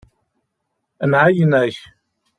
Nɛeyyen-ak.